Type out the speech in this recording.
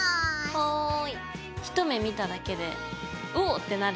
はい。